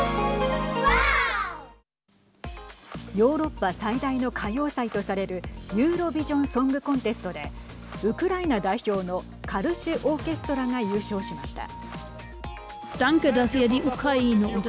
ヨーロッパ最大の歌謡祭とされるユーロビジョン・ソングコンテストでウクライナ代表のカルシュ・オーケストラが優勝しました。